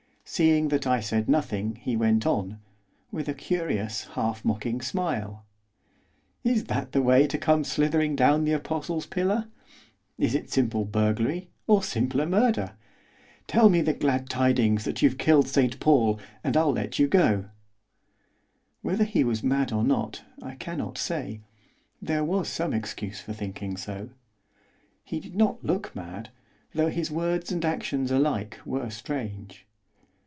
Seeing that I said nothing he went on, with a curious, half mocking smile. 'Is that the way to come slithering down the Apostle's pillar? Is it simple burglary, or simpler murder? Tell me the glad tidings that you've killed St Paul, and I'll let you go.' Whether he was mad or not I cannot say, there was some excuse for thinking so. He did not look mad, though his words and actions alike were strange.